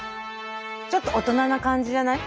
ちょっと大人な感じじゃない？